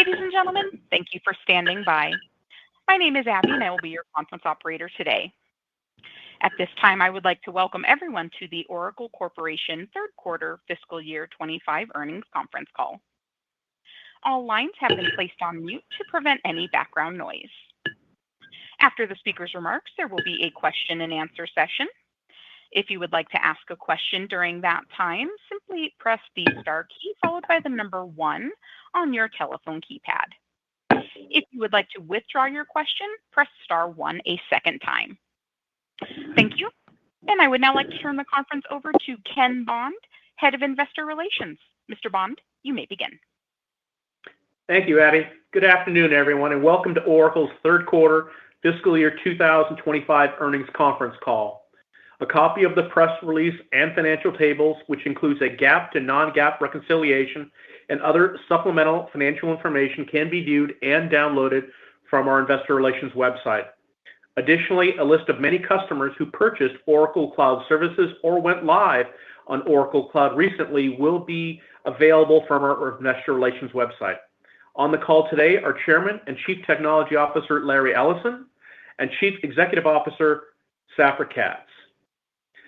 Ladies and gentlemen, thank you for standing by. My name is Abby and I will be your conference operator today. At this time I would like to welcome everyone to the Oracle Corporation third quarter fiscal year 2025 earnings conference call. All lines have been placed on mute to prevent any background noise. After the speaker's remarks, there will be a question and answer session. If you would like to ask a question during that time, simply press the star key followed by the number one on your telephone keypad. If you would like to withdraw your question, press star one a second time. Thank you. I would now like to turn the conference over to Ken Bond, Head of Investor Relations. Mr. Bond, you may begin. Thank you, Abby. Good afternoon everyone and welcome to Oracle's third quarter fiscal year 2025 earnings conference call. A copy of the press release and financial tables, which includes a GAAP to non-GAAP reconciliation and other supplemental financial information, can be viewed and downloaded from our investor relations website. Additionally, a list of many customers who purchased Oracle Cloud Services or went live on Oracle Cloud recently will be available from our investor relations website. On the call today are Chairman and Chief Technology Officer Larry Ellison and Chief Executive Officer Safra Catz.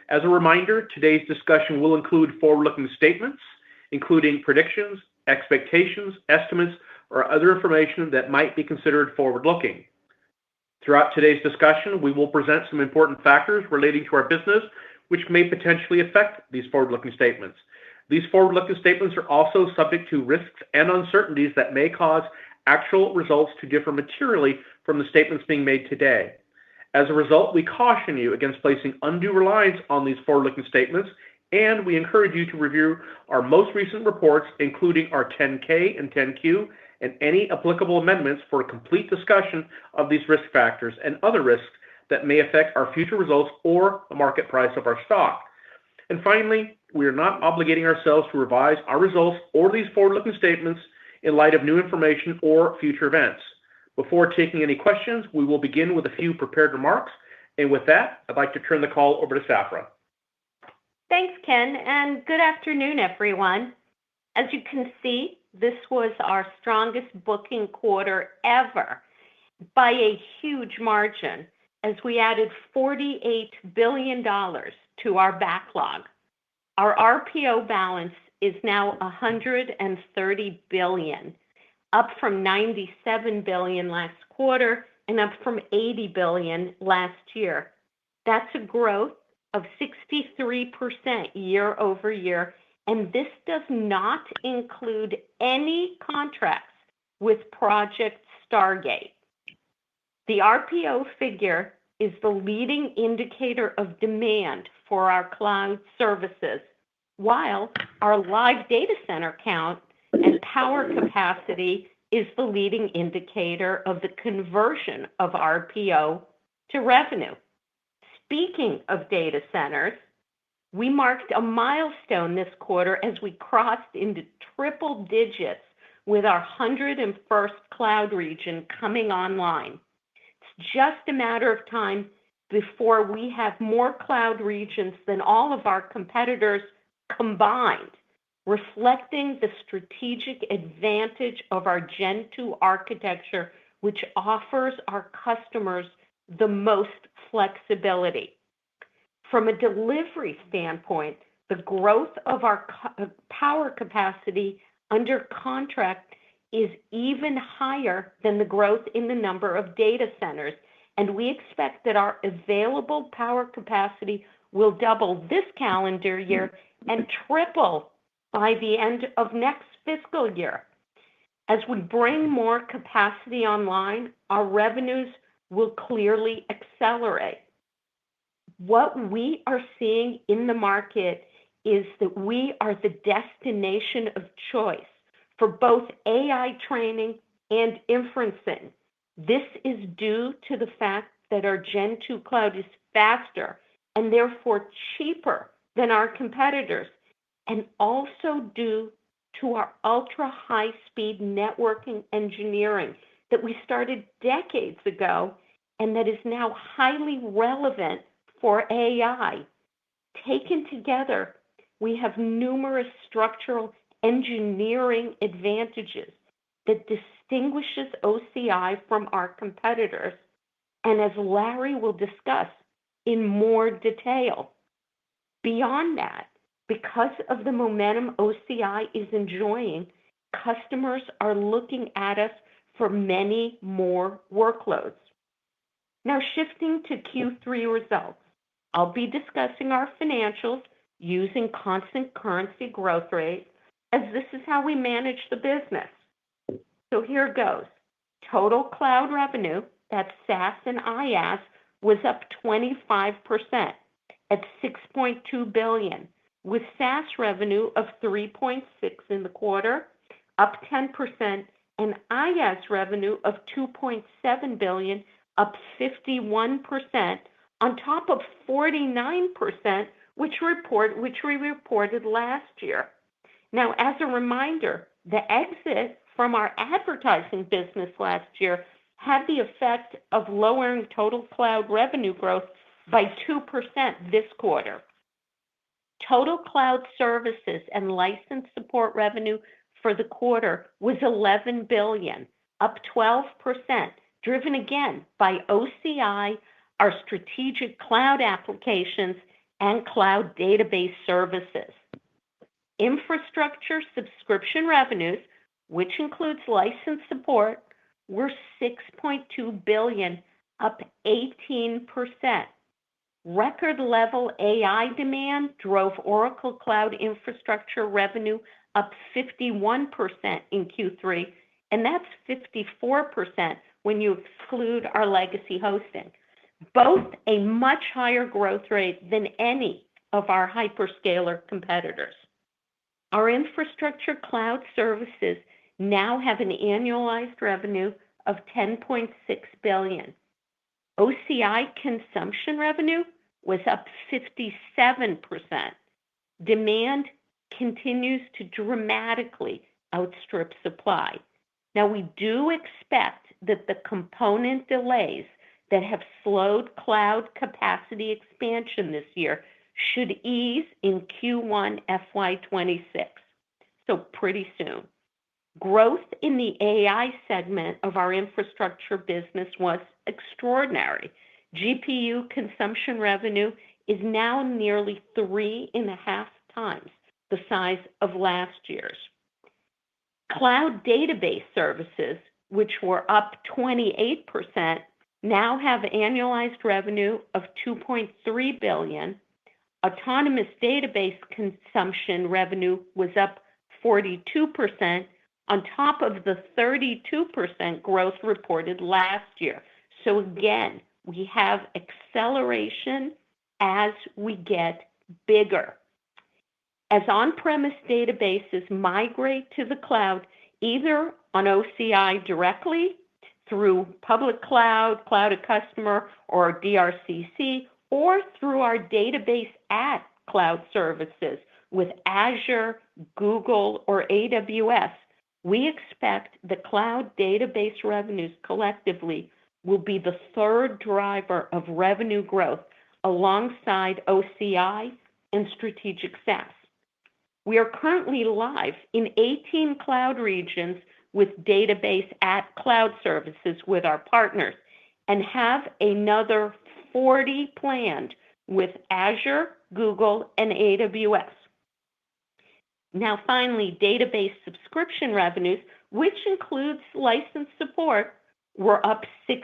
As a reminder, today's discussion will include forward-looking statements including predictions, expectations, estimates or other information that might be considered forward-looking. Throughout today's discussion, we will present some important factors relating to our business which may potentially affect these forward-looking statements. These forward looking statements are also subject to risks and uncertainties that may cause actual results to differ materially from the statements being made today. As a result, we caution you against placing undue reliance on these forward looking statements. We encourage you to review our most recent reports, including our 10-K and 10-Q and any applicable amendments for a complete discussion of these risk factors and other risks that may affect our future results or the market price of our stock. Finally, we are not obligating ourselves to revise our results or these forward looking statements in light of new information or future events. Before taking any questions, we will begin with a few prepared remarks and with that I'd like to turn the call over to Safra. Thanks Ken. Good afternoon everyone. As you can see, this was our strongest booking quarter ever by a huge margin as we added $48 billion to our backlog. Our RPO balance is now $130 billion, up from $97 billion last quarter and up from $80 billion last year. That's a growth of 63% year over year. This does not include any contracts with Project Stargate. The RPO figure is the leading indicator of demand for our cloud services, while our live data center count and power capacity is the leading indicator of the conversion of RPO to revenue. Speaking of data centers, we marked a milestone this quarter as we crossed into triple digits with our 101st cloud region coming online. It's just a matter of time before we have more cloud regions than all of our competitors combined, reflecting the strategic advantage of our Gen 2 Architecture which offers our customers the most flexibility from a delivery standpoint. The growth of our power capacity under contract is even higher than the growth in the number of data centers, and we expect that our available power capacity will double this calendar year and triple by the end of next fiscal year. As we bring more capacity online, our revenues will clearly accelerate. What we are seeing in the market is that we are the destination of choice for both AI training and inferencing. This is due to the fact that our Gen 2 Cloud is faster and therefore cheaper than our competitors and also due to our ultra high speed networking engineering that we started decades ago and that is now highly relevant for AI. Taken together, we have numerous structural engineering advantages that distinguish OCI from our competitors. As Larry will discuss in more detail beyond that, because of the momentum OCI is enjoying, customers are looking at us for many more workloads. Now shifting to Q3 results, I'll be discussing our financials using constant currency growth rate as this is how we manage the business. Here goes. Total cloud revenue, that's SaaS and IaaS, was up 25% at $6.2 billion, with SaaS revenue of $3.6 billion in the quarter up 10% and IaaS revenue of $2.7 billion up 51% on top of 49% which we reported last year. Now as a reminder, the exit from our advertising business last year had the effect of lowering total cloud revenue growth by 2% this quarter. Total cloud services and license support revenue for the quarter was $11 billion, up 12%, driven again by OCI. Our strategic cloud applications and cloud database services infrastructure subscription revenues, which includes license support, were $6.2 billion, up 18%. Record level AI demand drove Oracle Cloud Infrastructure revenue up 51% in Q3 and that's 54% when you exclude our legacy hosting, both a much higher growth rate than any of our hyperscaler competitors. Our infrastructure cloud services now have an annualized revenue of $10.6 billion. OCI consumption revenue was up 57%. Demand continues to dramatically outstrip supply now. Now we do expect that the component delays that have slowed cloud capacity expansion this year should ease in Q1 FY 2026. Pretty soon, growth in the AI segment of our infrastructure business was extraordinary. GPU consumption revenue is now nearly 3.5 times the size of last year's cloud database services, which were up 28%. Now have annualized revenue of $2.3 billion. Autonomous Database consumption revenue was up 42% on top of the 32% growth reported last year. Again, we have acceleration as we get bigger as on premise databases migrate to the cloud either on OCI directly through Public Cloud, Cloud at Customer or DRCC, or through our database at cloud services with Azure, Google, or AWS. We expect the cloud database revenues collectively will be the third driver of revenue growth alongside OCI and strategic SaaS. We are currently live in 18 cloud regions with database at cloud services with our partners and have another 40 planned with Azure, Google, and AWS. Now finally, database subscription revenues, which includes license support, were up 6%.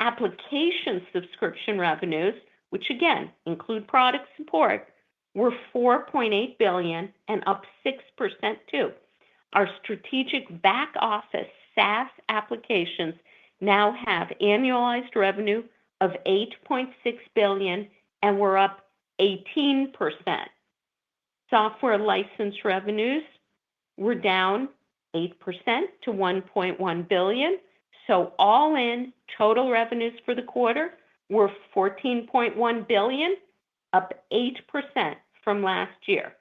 Application subscription revenues, which again include product support, were $4.8 billion and up 6% too. Our strategic back office SaaS applications now have annualized revenue of $8.6 billion and were up 18%. Software license revenues were down 8% to $1.1 billion. All in, total revenues for the quarter were $14.1 billion, up 8% from last year.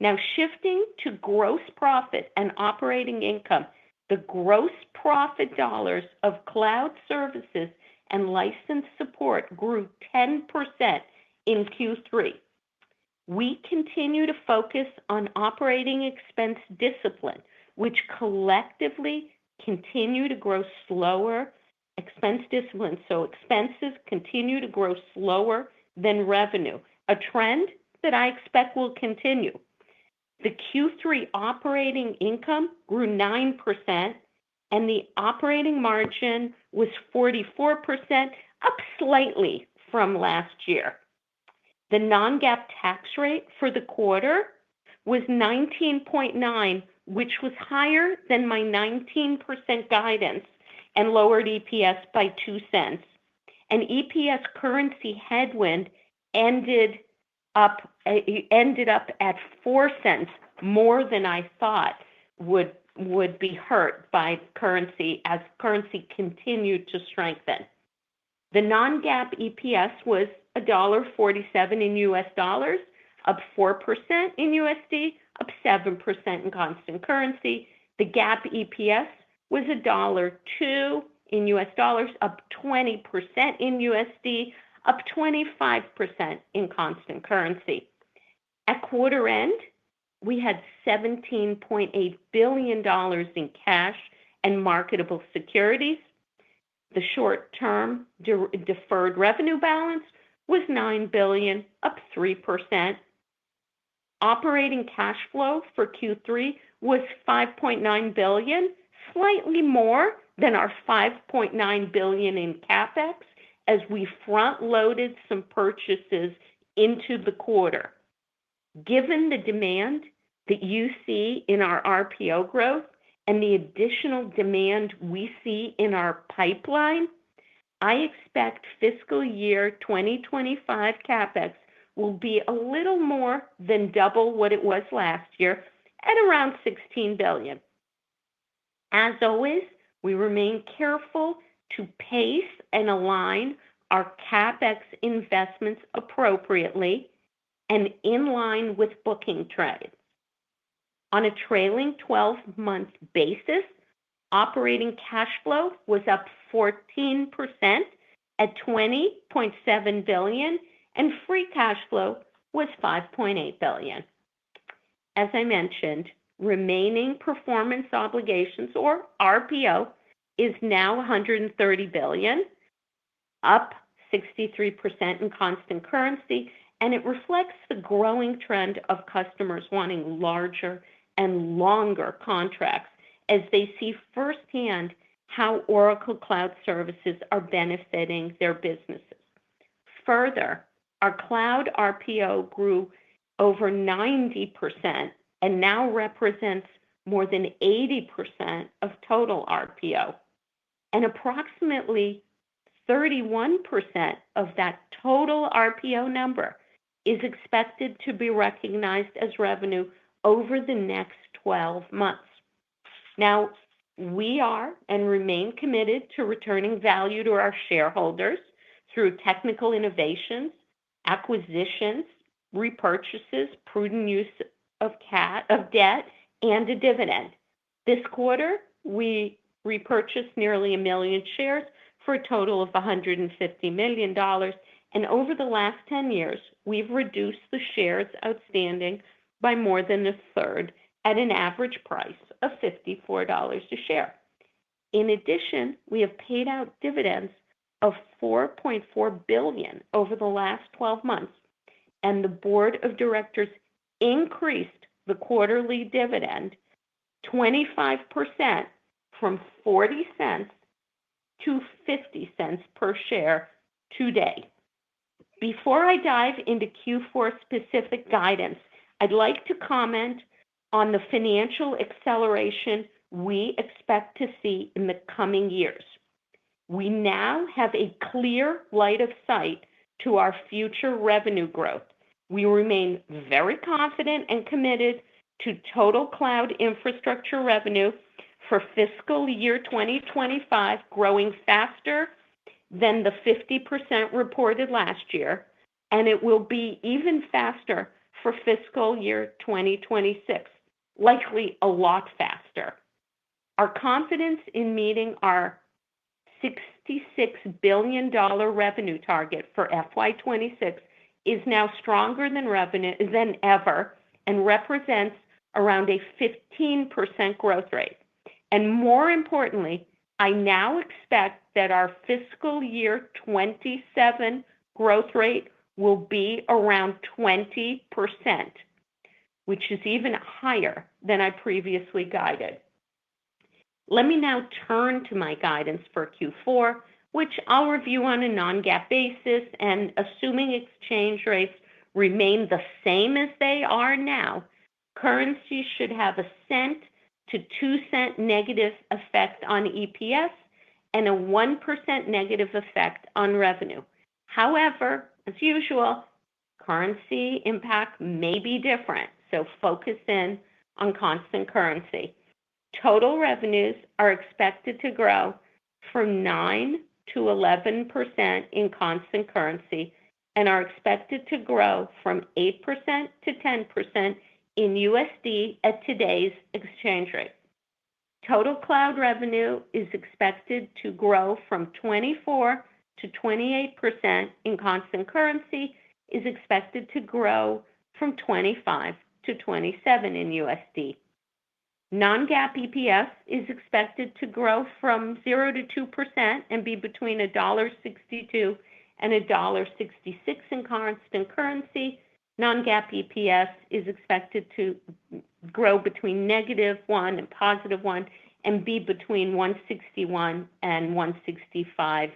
Now shifting to gross profit and operating income, the gross profit dollars of cloud services and license support grew 10%, and in Q3 we continue to focus on operating expense discipline, which collectively continue to grow slower, so expenses continue to grow slower than revenue, a trend that I expect will continue. The Q3 operating income grew 9% and the operating margin was 44%, up slightly from last year. The non-GAAP tax rate for the quarter was 19.9%, which was higher than my 19% guidance and lowered EPS by 2 cents. An EPS currency headwind ended up at 4 cents more than I thought would be hurt by currency as currency continued to strengthen. The non-GAAP EPS was $1.47 in U.S. dollars, up 4% in USD, up 7% in constant currency. The GAAP EPS was $1.02 in U.S. dollars, up 20% in USD, up 25% in constant currency. At quarter end we had $17.8 billion in cash and marketable securities. The short-term deferred revenue balance was $9 billion, up 3%. Operating cash flow for Q3 was $5.9 billion, slightly more than our $5.9 billion in CapEx as we front loaded some purchases into the quarter. Given the demand that you see in our RPO growth and the additional demand we see in our pipeline, I expect fiscal year 2025 CapEx will be a little more than double what it was last year at around $16 billion. As always, we remain careful to pace and align our CapEx investments appropriately and in line with booking trades on a trailing twelve month basis. Operating cash flow was up 14% at $20.7 billion and free cash flow was $5.8 billion. As I mentioned, remaining performance obligations or RPO is now $130 billion, up 63% in constant currency, and it reflects the growing trend of customers wanting larger and longer contracts as they see firsthand how Oracle Cloud Services are benefiting their businesses. Further, our cloud RPO grew over 90% and now represents more than 80% of total RPO, and approximately 31% of that total RPO number is expected to be recognized as revenue over the next 12 months. Now we are and remain committed to returning value to our shareholders through technical innovations, acquisitions, repurchases, prudent use of debt and a dividend. This quarter we repurchased nearly a million shares for a total of $150 million, and over the last 10 years we've reduced the shares outstanding by more than a third at an average price of $54 a share. In addition, we have paid out dividends of $4.4 billion over the last 12 months and the Board of Directors increased the quarterly dividend 25% from $0.40 to $0.50 per share today. Before I dive into Q4 specific guidance, I'd like to comment on the financial acceleration we expect to see in the coming years. We now have a clear line of sight to our future revenue growth. We remain very confident and committed to total cloud infrastructure revenue for fiscal year 2025 growing faster than the 50% reported last year, and it will be even faster for fiscal year 2026, likely a lot faster. Our confidence in meeting our $66 billion revenue target for FY 2026 is now stronger than ever and represents around a 15% growth rate. More importantly, I now expect that our fiscal year 2027 growth rate will be around 20%, which is even higher than I previously guided. Let me now turn to my guidance for Q4 which I'll review on a non-GAAP basis and assuming exchange rates remain the same as they are now, currency should have a $0.01-$0.02 negative effect on EPS and a 1% negative effect on revenue. However, as usual, currency impact may be different, so focus in on constant currency. Total revenues are expected to grow from 9%-11% in constant currency and are expected to grow from 8%-10% in USD. At today's exchange rate, total cloud revenue is expected to grow from 24%-28% in constant currency and is expected to grow from 25%-27% in USD. Non-GAAP EPS is expected to grow from 0%-2% and be between $1.62 and $1.66 in constant currency. Non-GAAP EPS is expected to grow between -1 and +1 and be between $1.61 and $1.65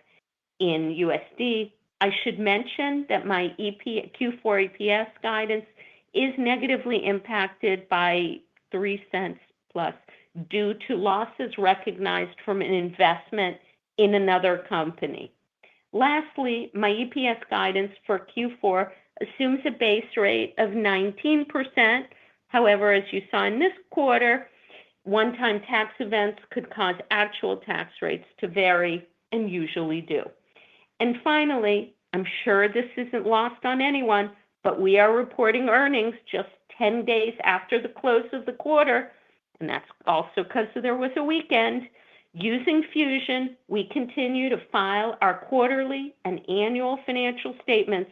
in USD. I should mention that my Q4 EPS guidance is negatively impacted by $0.03 plus due to losses recognized from an investment in another company. Lastly, my EPS guidance for Q4 assumes a base rate of 19%. However, as you saw in this quarter one time, tax events could cause actual tax rates to vary and usually do. I am sure this is not lost on anyone, but we are reporting earnings just 10 days after the close of the quarter and that is also because there was a weekend using Fusion. We continue to file our quarterly and annual financial statements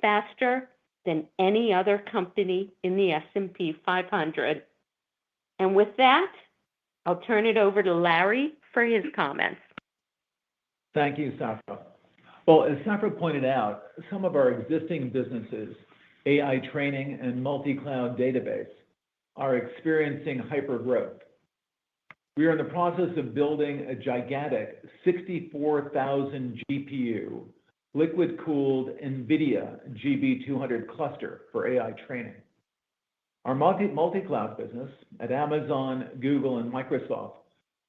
faster than any other company in the S&P 500 and with that I will turn it over to Larry for his comments. Thank you, Safra. As Safra pointed out, some of our existing businesses, AI training and multicloud database, are experiencing hyper growth. We are in the process of building a gigantic, circular, 64,000 GPU liquid cooled Nvidia GB200 cluster for AI training. Our multicloud business at Amazon, Google, and Microsoft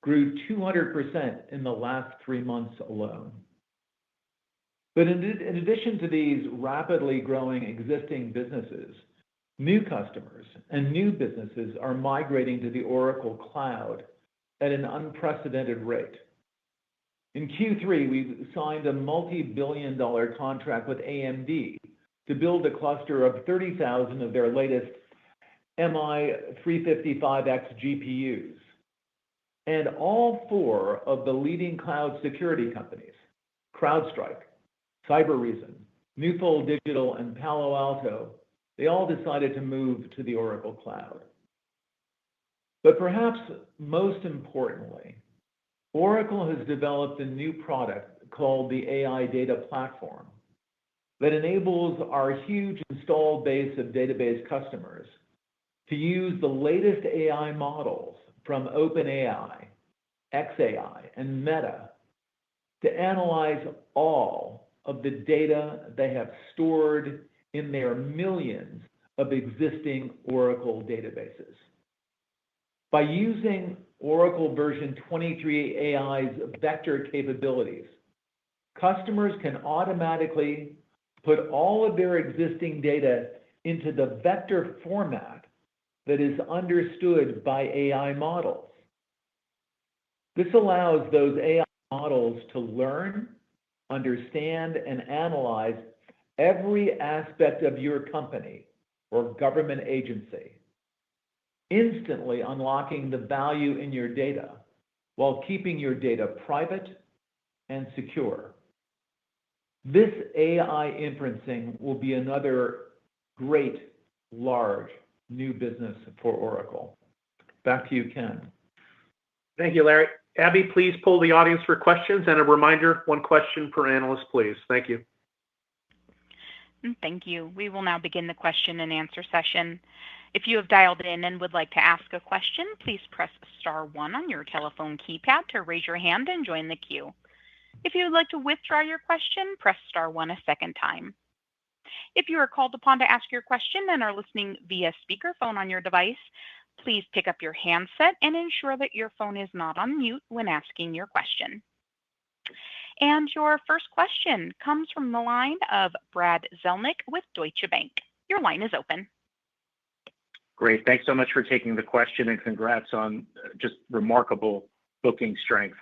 grew 200% in the last three months alone. In addition to these rapidly growing existing businesses, new customers and new businesses are migrating to the Oracle Cloud at an unprecedented rate. In Q3, we signed a multi billion dollar contract with AMD to build a cluster of 30,000 of their latest MI355X GPUs, and all four of the leading cloud security companies, CrowdStrike, Cybereason, Newfold Digital, and Palo Alto Networks, they all decided to move to the Oracle Cloud. Perhaps most importantly, Oracle has developed a new product called the AI Data Platform that enables our huge installed base of database customers to use the latest AI models from OpenAI, xAI and Meta to analyze all of the data they have stored in their millions of existing Oracle databases. By using Oracle Database 23ai's vector capabilities, customers can automatically put all of their existing data into the vector format that is understood by AI models. This allows those AI models to learn, understand and analyze every aspect of your company or government agency, instantly unlocking the value in your data while keeping your data private and secure. This AI inferencing will be another great large new business for Oracle. Back to you, Ken. Thank you, Larry. Abby, please poll the audience for questions. A reminder, one question per analyst, please. Thank you. Thank you. We will now begin the question and answer session. If you have dialed in and would like to ask a question, please press star one on your telephone keypad to raise your hand and join the queue. If you would like to withdraw your question. Question, press star one a second time. If you are called upon to ask your question and are listening via speakerphone on your device, please pick up your handset and ensure that your phone is not on mute when asking your question. Your first question comes from the line of Brad Zelnick with Deutsche Bank. Your line is open. Great. Thanks so much for taking the question. Thanks on just remarkable booking strength.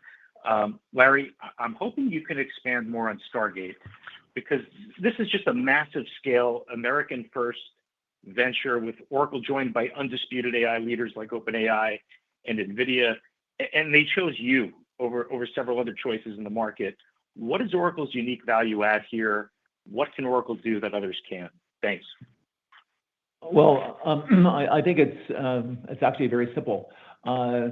Larry, I'm hoping you can expand more on Stargate because this is just a massive scale American first venture with Oracle, joined by undisputed AI leaders like OpenAI and Nvidia, and they chose you over several other choices in the market. What is Oracle's unique value add here? What can Oracle do that others can't? Thanks. I think it's actually very simple. The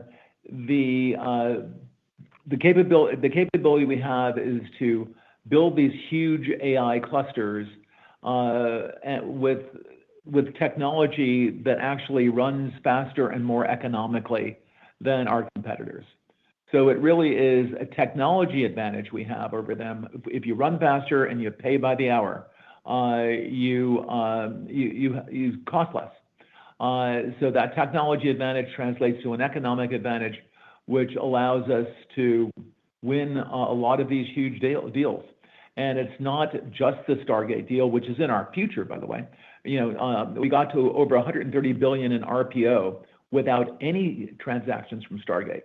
capability we have is to build these huge AI clusters with technology that actually runs faster and more economically than our competitors. It really is a technology advantage we have over them. If you run faster and you pay by the hour, you cost less. That technology advantage translates to an economic advantage which allows us to win a lot of these huge deals. It's not just the Stargate deal, which is in our future, by the way. We got to over $130 billion in RPO without any transactions from Stargate.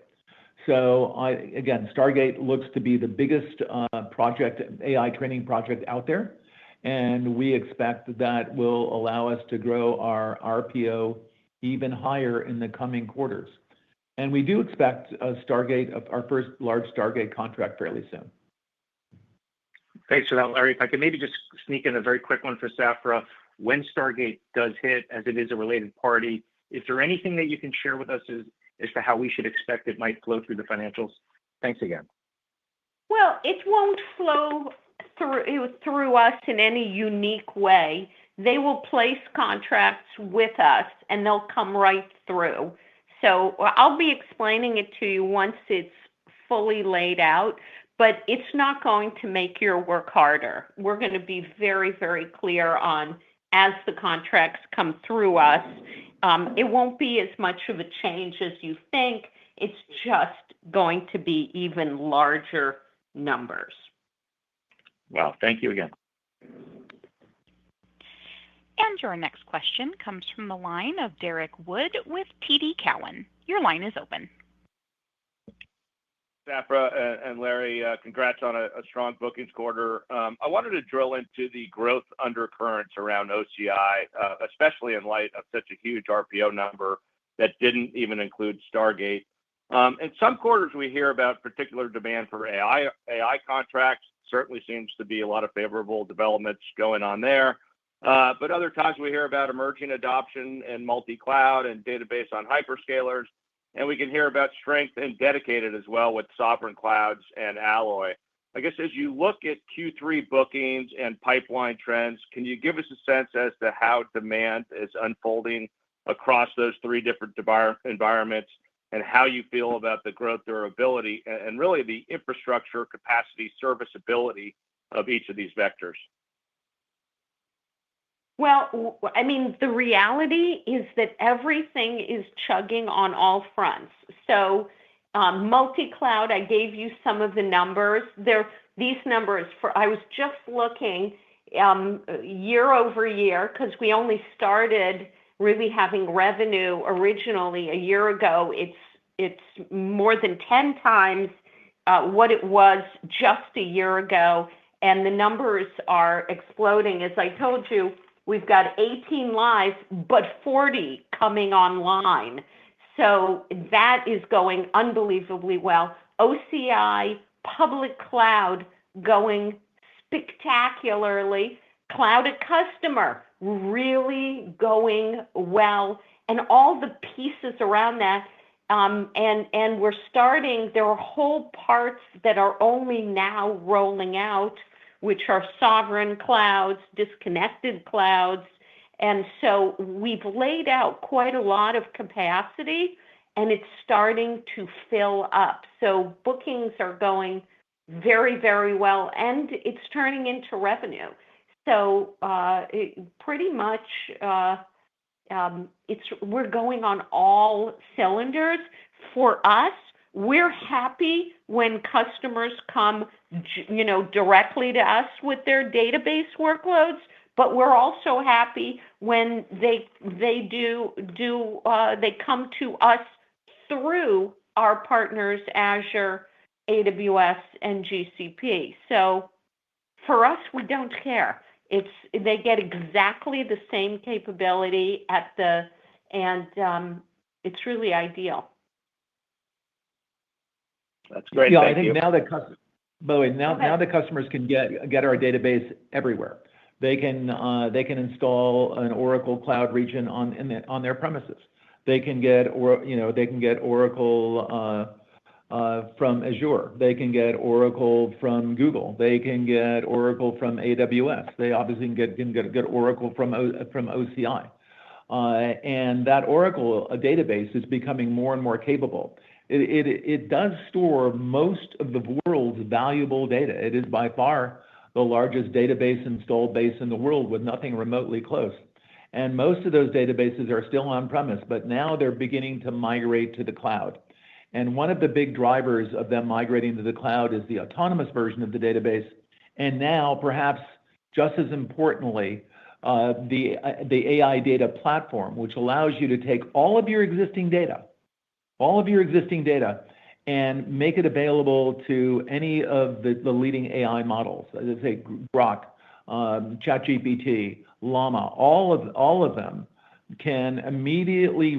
Stargate looks to be the biggest project AI training project out there. We expect that will allow us to grow our RPO even higher in the coming quarters. We do expect Stargate, our first large Stargate contract, fairly soon. Thanks for that, Larry. If I could maybe just sneak in a very quick one for Safra. When Stargate does hit, as it is a related party, is there anything that you can share with us as to how we should expect it might flow through the financials? Thanks again. It won't flow through us in any unique way. They will place contracts with us and they'll come right through. I'll be explaining it to you once it's fully laid out, but it's not going to make your work harder. We're going to be very, very clear on as the contracts come through us. It won't be as much of a change as you think. It's just going to be even larger numbers. Wow, thank you again. Your next question comes from the line of Derrick Wood with TD Cowen. Your line is open. Safra and Larry, congrats on a strong bookings quarter. I wanted to drill into the growth undercurrents around OCI, especially in light of such a huge RPO number that did not even include Stargate. In some quarters we hear about particular demand for AI. AI contracts certainly seem to be a lot of favorable developments going on there, but other times we hear about emerging adoption and multicloud and database on hyperscalers and we can hear about strength and dedicated as well with Sovereign Clouds and Alloy. I guess as you look at Q3 bookings and pipeline trends, can you give us a sense as to how demand is unfolding across those three different environments and how you feel about the growth, durability and really the infrastructure, capacity, serviceability of each of these vectors? I mean the reality is that everything is chugging on all fronts. Multicloud, I gave you some of the numbers. These numbers I was just looking year over year because we only started really having revenue originally a year ago. It's more than 10x what it was just a year ago and the numbers are exploding. As I told you, we've got 18 lives, but 40 coming online. That is going unbelievably well. OCI, public cloud going spectacularly, clouded customer really going well, and all the pieces around that. We're starting. There are whole parts that are only now rolling out, which are sovereign clouds, disconnected clouds. We have laid out quite a lot of capacity and it's starting to fill up. Bookings are going very, very well and it's turning into revenue. Pretty much we're going on all cylinders. For us, we're happy when customers come directly to us with their database workloads, but we're also happy when they come to us through our partners Azure, AWS and Google Cloud Platform. For us, we don't care. They get exactly the same capability and it's really ideal. That's great. By the way, now the customers can get our database everywhere. They can install an Oracle Cloud region on their premises. They can get Oracle from Azure, they can get Oracle from Google, they can get Oracle from AWS, they obviously can get Oracle from OCI. And that Oracle database is becoming more and more capable. It does store most of the world's valuable data. It is by far the largest database installed base in the world with nothing remotely close. Most of those databases are still on premise, but now they're beginning to migrate to the cloud. One of the big drivers of them migrating to the cloud is the autonomous version of the database. Now, perhaps just as importantly, the AI Data Platform, which allows you to take all of your existing data, all of your existing data and make it available to any of the leading AI models, Grok, ChatGPT, Llama, all of them, can immediately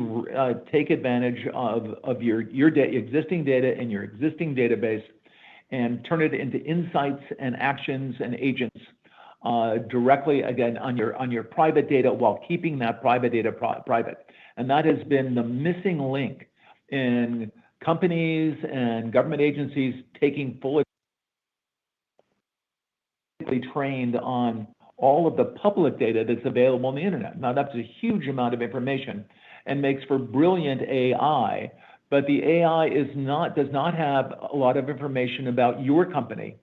take advantage of your existing data and your existing database and turn it into insights and actions and agents directly again on your private data, while keeping that private data private. That has been the missing link in companies and government agencies taking full trained on all of the public data that's available on the Internet. Now that's a huge amount of information and makes for brilliant AI. The AI is not, does not have a lot of information about your company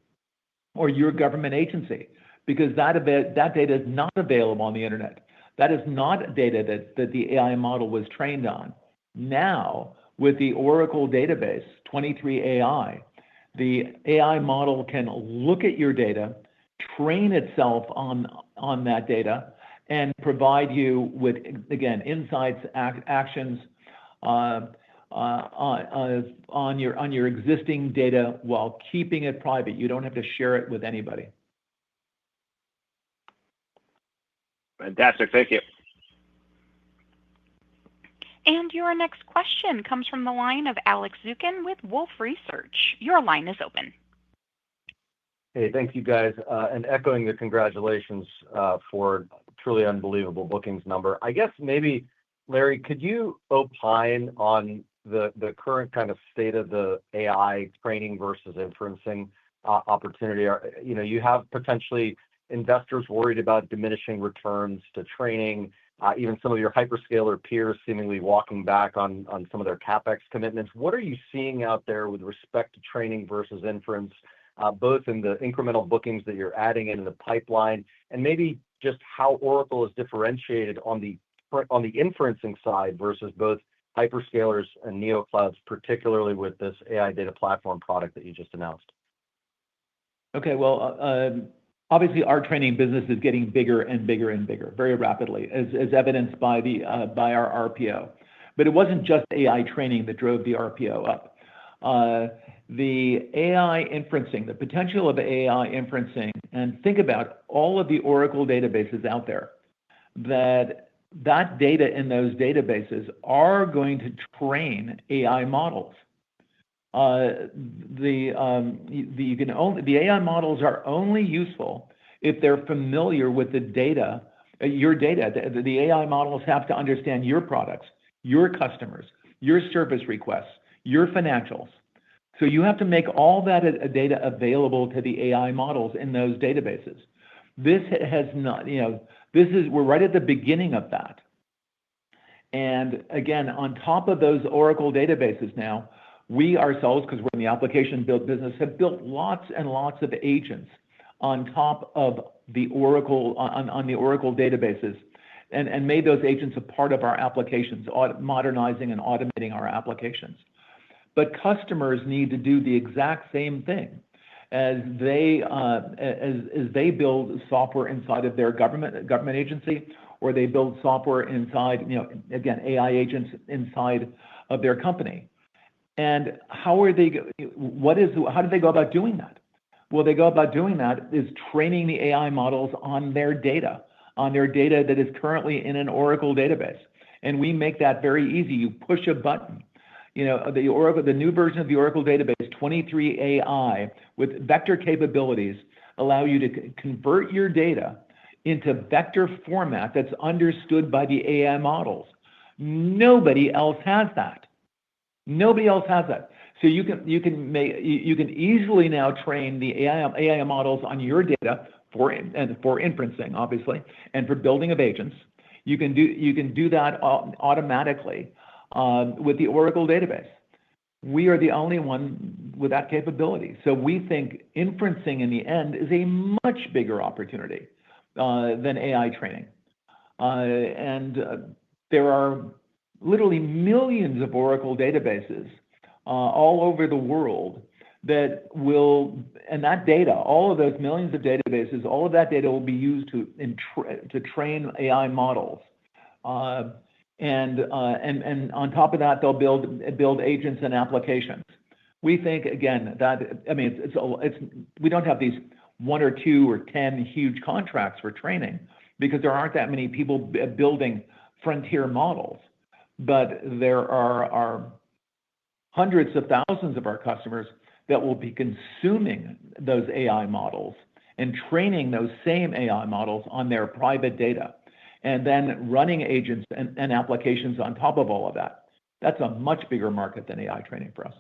or your government agency because that data is not available on the Internet, that is not data that the AI model was trained on. Now with the Oracle Database 23ai, the AI model can look at your data, train itself on that data and provide you with, again, insights, actions on your existing data while keeping it private. You don't have to share it with anybody. Fantastic. Thank you. Your next question comes from the line of Alex Zukin with Wolfe Research. Your line is open. Hey, thank you guys. Echoing the congratulations for truly unbelievable bookings number, I guess maybe Larry, could you opine on the current kind of state of the AI training versus inferencing opportunity? You have potentially investors worried about diminishing returns to training. Even some of your hyperscaler peers seemingly walking back on some of their CapEx commitments. What are you seeing out there with respect to training versus inference both in the incremental bookings that you're adding in the pipeline and maybe just how Oracle is differentiated on the inferencing side versus both hyperscalers and neo clouds, particularly with this AI Data Platform product that you just announced. Okay, obviously our training business is getting bigger and bigger and bigger very rapidly as evidenced by our RPO. It was not just AI training that drove the RPO up. The AI inferencing, the potential of AI inferencing, and think about all of the Oracle databases out there, that data in those databases are going to train AI models. The AI models are only useful if they are familiar with the data, your data. The AI models have to understand your products, your customers, your service requests, your financials. You have to make all that data available to the AI models in those databases. This is, you know, we are right at the beginning of that again on top of those Oracle databases. Now we ourselves, because we're in the application build business, have built lots and lots of agents on top of the Oracle, on the Oracle databases, and made those agents a part of our applications, modernizing and automating our applications. Customers need to do the exact same thing as they build software inside of their government agency or they build software inside, again, AI agents inside of their company. How do they go about doing that? They go about doing that by training the AI models on their data, on their data that is currently in an Oracle database. We make that very easy. You push a button. The new version of the Oracle Database 23ai with vector capabilities allows you to convert your data into vector format. That is understood by the AI models. Nobody else has that. Nobody else has that. You can easily now train the AI models on your data for inferencing, obviously, and for building of agents. You can do that automatically with the Oracle database. We are the only one with that capability. We think inferencing in the end is a much bigger opportunity than AI training. There are literally millions of Oracle databases all over the world that will. That data, all of those millions of databases, all of that data will be used to train AI models. On top of that, they'll build agents and applications. We think again that, I mean, it's, we don't have these one or two or ten huge contracts for training because there aren't that many people building frontier models. There are hundreds of thousands of our customers that will be consuming those AI models and training those same AI models on their private data and then running agents and applications on top of all of that. That's a much bigger market than AI training for us.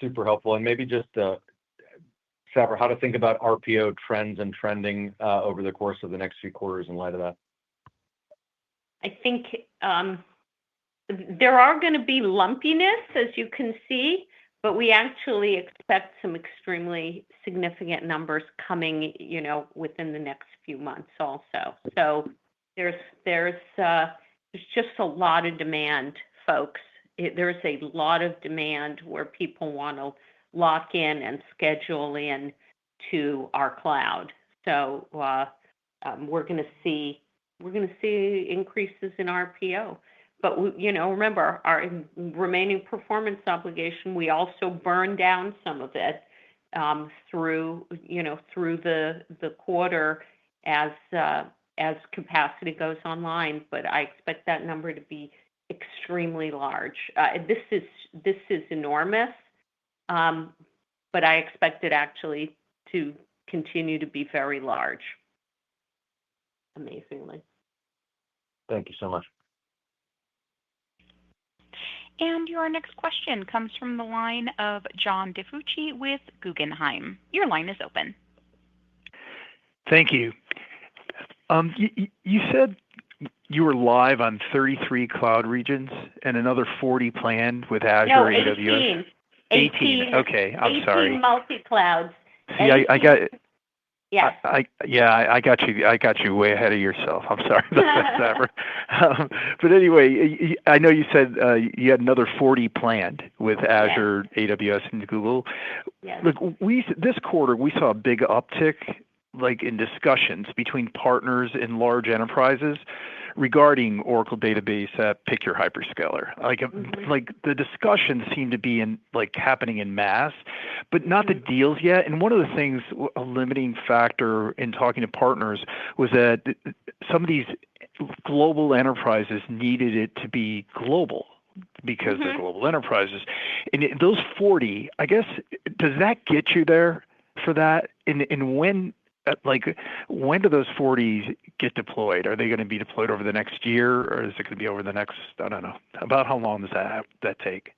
Super helpful and maybe just, Safra, how to think about RPO trends and trending over the course of the next few quarters. In light of that, I think. There are going to be lumpiness, as you can see, but we actually expect some extremely significant numbers coming, you know, within the next few months also. There is just a lot of demand, folks. There is a lot of demand where people want to lock in and schedule in to our cloud. We are going to see, we are going to see increases in RPO, but you know, remember our remaining performance obligation. We also burned down some of it through, you know, through the quarter as capacity goes online. I expect that number to be extremely large. This is enormous, but I expect it actually to continue to be very large, amazingly. Thank you so much. Your next question comes from the line of John DiFucci with Guggenheim. Your line is open. Thank you. You said you were live on 33 cloud regions and another 40 planned with Azure and AWS. 18. 18. Okay, I'm sorry. 18 multiclouds. Yeah, I got you way ahead of yourself. I'm sorry. Anyway, I know you said you had another 40 planned with Azure, AWS, and Google. Look, this quarter we saw uptick like in discussions between partners and large enterprises regarding Oracle database at pick your hyperscaler. Like, like the discussion seemed to be in, like happening in mass, but not the deals yet. One of the things, a limiting factor in talking to partners was that some of these global enterprises needed it to be global because they're global enterprises. Those 40, I guess, does that get you there for that? When, like, when do those 40s get deployed? Are they going to be deployed over the next year or is it going to be over the next—I do not know—about how long does that take?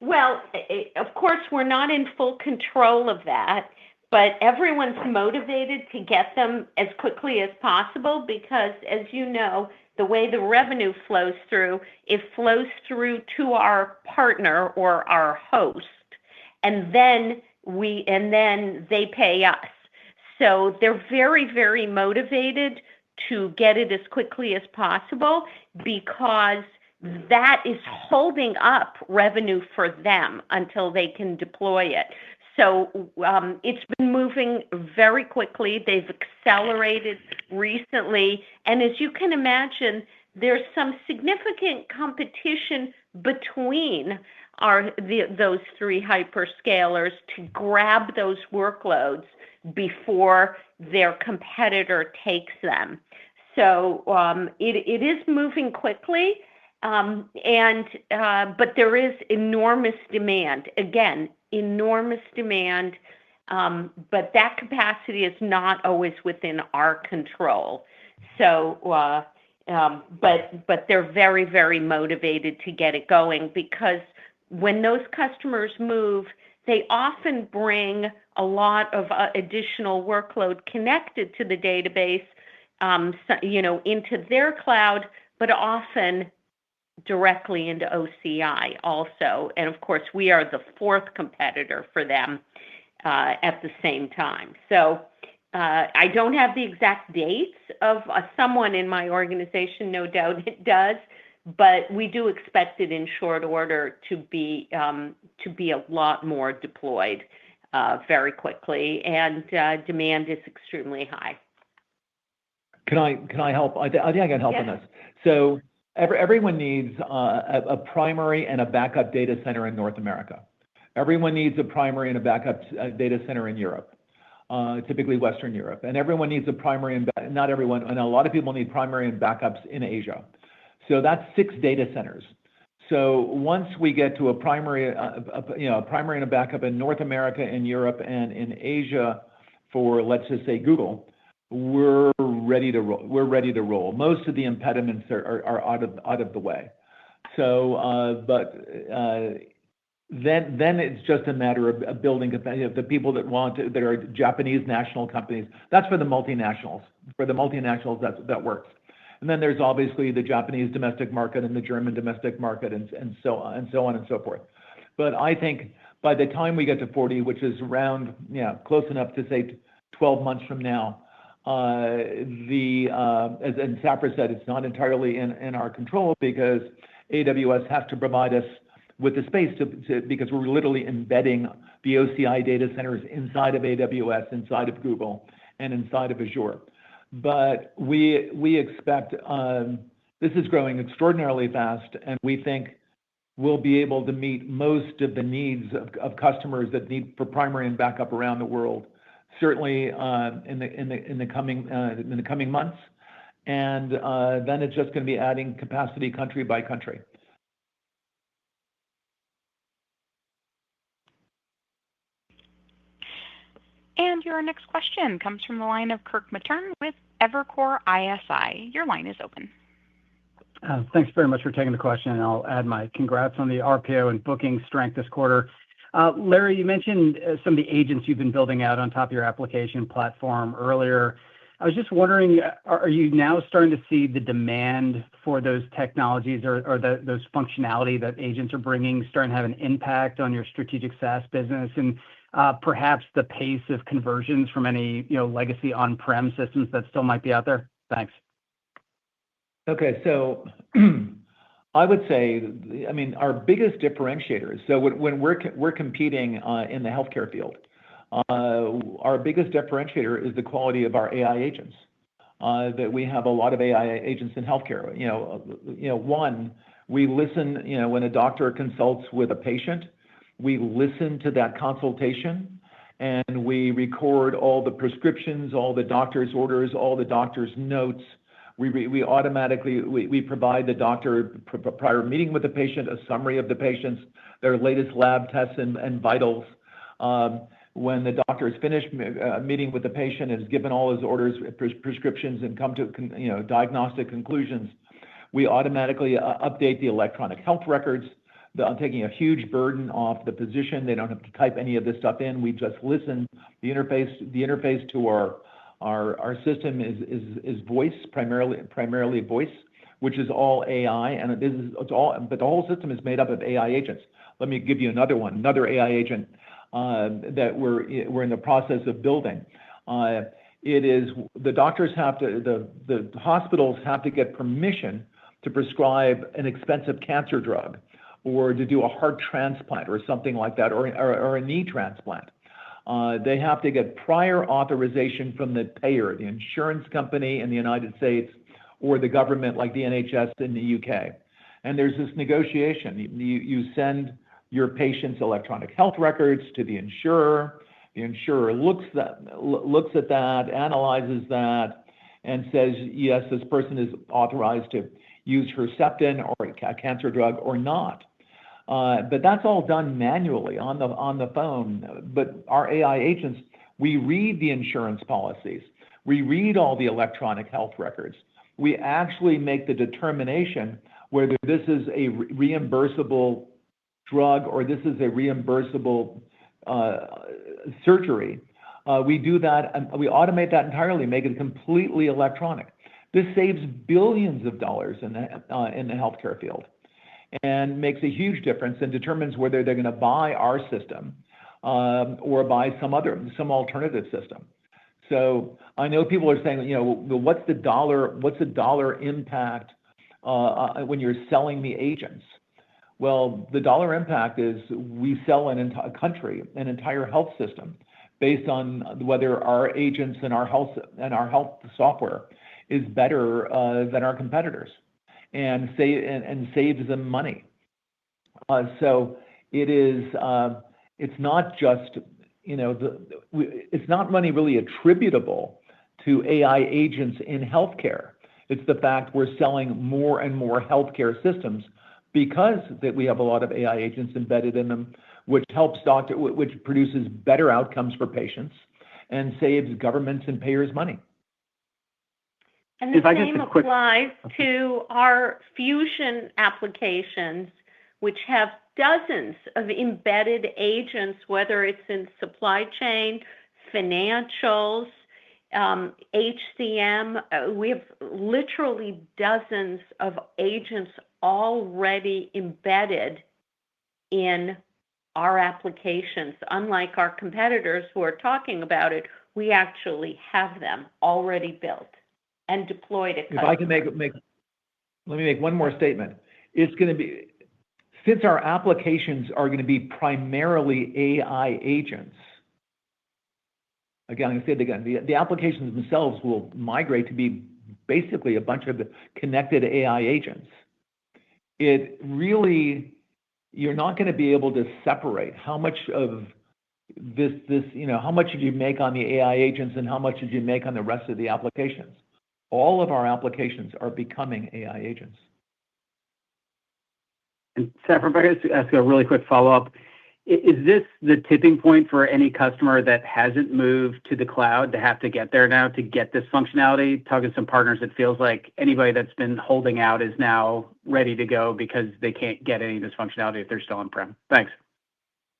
Of course we're not in full control of that, but everyone's motivated to get them as quickly as possible because, as you know, the way the revenue flows through, it flows through to our partner or our host and then they pay us. They are very, very motivated to get it as quickly as possible because that is holding up revenue for them until they can deploy it. It has been moving very quickly. They've accelerated recently. As you can imagine, there's some significant competition between those three hyperscalers to grab those workloads before their competitor takes them. It is moving quickly, but there is enormous demand, again, enormous demand. That capacity is not always within our control. They are very, very motivated to get it going because when those customers move, they often bring a lot of additional workload connected to the database into their cloud, but often directly into OCI also. Of course, we are the fourth competitor for them. At the same time, I do not have the exact dates, though someone in my organization no doubt does. We do expect it in short order to be a lot more deployed very quickly and demand is extremely high. Can I help? I think I can help on this. Everyone needs a primary and a backup data center in North America. Everyone needs a primary and a backup data center in Europe, typically Western Europe. Everyone needs a primary, and not everyone, and a lot of people need primary and backups in Asia. That is six data centers. Once we get to a primary and a backup in North America and Europe and in Asia, for, let's just say, Google, we are ready to roll. Most of the impediments are out of the way. It is just a matter of building for the people that want, that are Japanese national companies. That is for the multinationals. For the multinationals, that works. There is obviously the Japanese domestic market and the German domestic market and so on and so forth. I think by the time we get to 40, which is around close enough to say 12 months from now, as Safra said, it's not entirely in our control because AWS has to provide us with the space because we're literally embedding the OCI data centers inside of AWS, inside of Google, and inside of Azure. We expect this is growing extraordinarily fast and we think we'll be able to meet most of the needs of customers that need for primary and backup around the world, certainly in the coming months. It is just going to be adding capacity country by country. Your next question comes from the line of Kirk Materne with Evercore ISI. Your line is open. Thanks very much for taking the question. I will add my congrats on the RPO and booking strength this quarter. Larry, you mentioned some of the agents you have been building out on top of your application platform earlier. I was just wondering, are you now starting to see the demand for those technologies or those functionality that agents are bringing, starting to have an impact on your strategic SaaS business and perhaps the pace of conversions from any legacy on-prem systems that still might be out there. Thanks. Okay, I would say, I mean, our biggest differentiators. When we're competing in the healthcare field, our biggest differentiator is the quality of our AI agents, that we have a lot of AI agents in healthcare. You know, one, we listen, you know, when a doctor consults with a patient, we listen to that consultation and we record all the prescriptions, all the doctor's orders, all the doctor's notes. We automatically, we provide the doctor prior meeting with the patient, a summary of the patients, their latest lab tests and vitals. When the doctor is finished meeting with the patient and has given all his orders, prescriptions and come to diagnostic conclusions, we automatically update the electronic health records, taking a huge burden off the physician. They don't have to type any of this stuff in, we just listen. The interface to our system is voice, primarily voice, which is all AI, but the whole system is made up of AI agents. Let me give you another one. Another AI agent that we're in the process of building. It is the doctors have to, the hospitals have to get permission to prescribe an expensive cancer drug or to do a heart transplant or something like that, or a knee transplant. They have to get prior authorization from the payer, the insurance company in the United States or the government like the NHS in the U.K., and there's this negotiation. You send your patient's electronic health records to the insurer. The insurer looks at that, analyzes that and says yes, this person is authorized to use Herceptin or a cancer drug or not. That's all done manually on the phone. Our AI agents, we read the insurance policies, we read all the electronic health records. We actually make the determination whether this is a reimbursable drug or this is a reimbursable surgery. We do that, we automate that entirely, make it completely electronic. This saves billions of dollars in the healthcare field and makes a huge difference and determines whether they're going to buy our system or buy some other, some alternative system. I know people are saying, you know, what's the dollar impact when you're selling the agents? The dollar impact is we sell a country an entire health system based on whether our agents and our health and our health software is better than our competitors and saves them money. It is, it's not just, you know, it's not money really attributable to AI agents in healthcare. It's the fact we're selling more and more healthcare systems because that we have a lot of AI agents embedded in them which helps doctor, which produces better outcomes for patients and saves governments and payers money. This applies to our Fusion Applications which have dozens of embedded agents. Whether it's in supply chain, financials, HCM, we have literally dozens of agents already embedded in our applications. Unlike our competitors who are talking about it, we actually have them already built and deployed. If I can make, let me make one more statement. It's going to be since our applications are going to be primarily AI agents, again I'm going to say it again, the applications themselves will migrate to be basically a bunch of connected AI agents. You're not going to be able to separate how much of this, you know, how much did you make on the AI agents and how much did you make on the rest of the applications? All of our applications are becoming AI agents and safer. If I could ask a really quick follow up, is this the tipping point. For any customer that hasn't moved to the cloud to have to get there now to get this functionality talking to some partners? It feels like anybody that's been holding out is now ready to go because they can't get any of this functionality if they're still on prem. Thanks.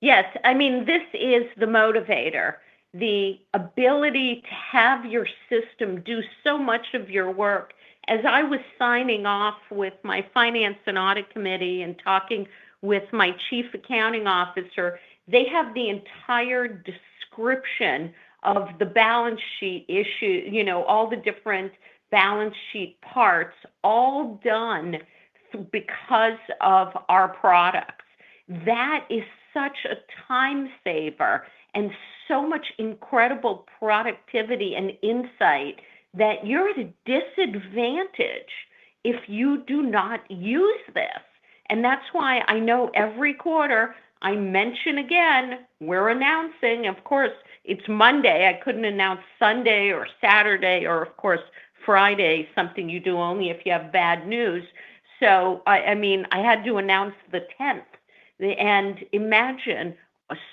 Yes. I mean, this is the motivator, the ability to have your system do so much of your work. As I was signing off with my Finance and Audit Committee and talking with my Chief Accounting Officer, they have the entire description of the balance sheet issue. You know, all the different balance sheet parts all done because of our products. That is such a time saver and so much incredible productivity and insight that you're at a disadvantage if you do not use this. That's why I know every quarter I mention again, we're announcing, of course it's Monday. I couldn't announce Sunday or Saturday or of course Friday. Something you do only if you have bad news. I mean, I had to announce the 10th.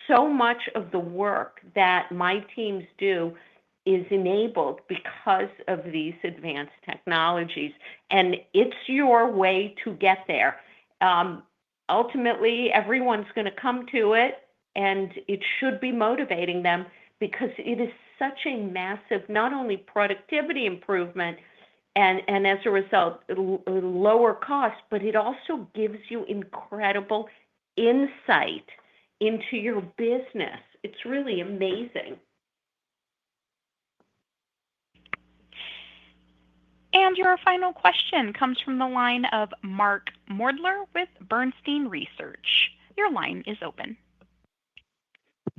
So much of the work that my teams do is enabled because of these advanced technologies and it's your way to get there. Ultimately, everyone's going to come to it and it should be motivating them because it is such a massive, not only productivity improvement and as a result, lower cost, but it also gives you incredible insight into your business. It's really amazing. Your final question comes from the line of Mark Moerdler with Bernstein Research. Your line is open.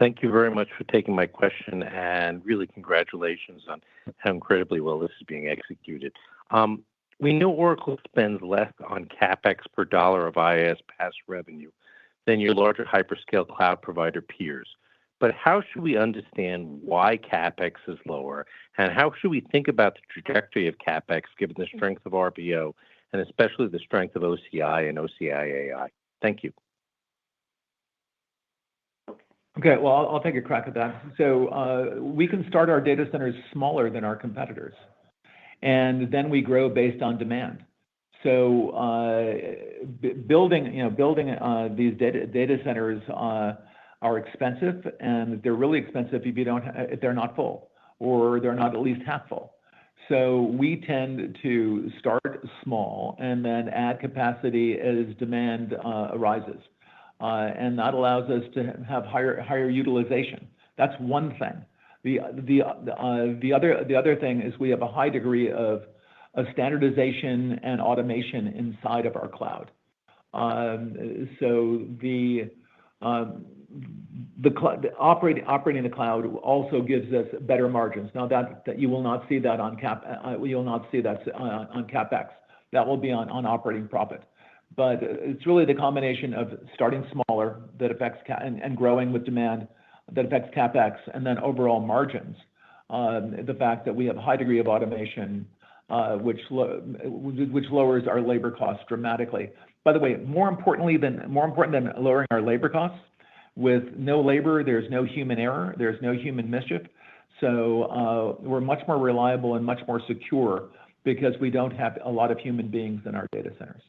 Thank you very much for taking my question and really congratulations on how incredibly well this is being executed. We know Oracle spends less on CapEx per dollar of IaaS PaaS revenue than your larger hyperscale cloud provider peers, but how should we understand why CapEx is lower and how should we think about the trajectory of CapEx given the strength of RPO and especially the strength of OCI and OCI AI? Thank you. Okay, I'll take a crack at that. We can start our data centers smaller than our competitors and then we grow based on demand. Building, you know, building these data centers is expensive and they're really expensive if they're not full or they're not at least half full. We tend to start small and then add capacity as demand arises. That allows us to have higher, higher utilization. That's one thing. The other thing is we have a high degree of standardization and automation inside of our cloud. Operating the cloud also gives us better margins. Now, you will not see that on CapEx. That will be on operating profit. It's really the combination of starting smaller and growing with demand that affects CapEx and then overall margins. The fact that we have a high degree of automation, which lowers our labor costs dramatically, by the way, more importantly than more important than lowering our labor costs. With no labor, there's no human error, there's no human mischief. We are much more reliable and much more secure because we don't have a lot of human beings in our data centers.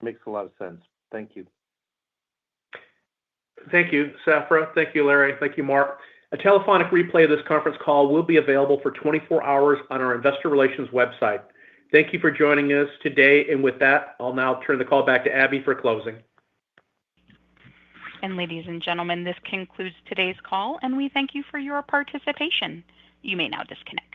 Makes a lot of sense. Thank you. Thank you, Safra. Thank you, Larry. Thank you, Mark. A telephonic replay of this conference call will be available for 24 hours on our investor relations website. Thank you for joining us today. I will now turn the call back to Abby for closing. Ladies and gentlemen, this concludes today's call, and we thank you for your participation. You may now disconnect.